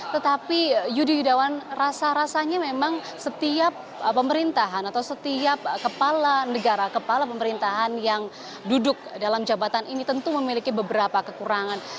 tetapi yudi yudawan rasa rasanya memang setiap pemerintahan atau setiap kepala negara kepala pemerintahan yang duduk dalam jabatan ini tentu memiliki beberapa kekurangan